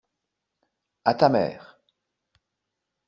À ta mère.